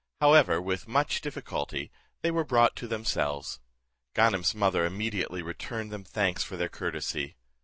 However, with much difficulty they were brought to themselves. Ganem's mother immediately returned them thanks for their courtesy.